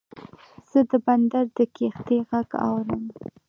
زه د بندر د کښتۍ غږ اورم.